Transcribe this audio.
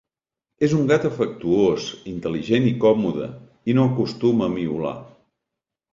És un gat afectuós, intel·ligent i còmode, i no acostuma a miolar.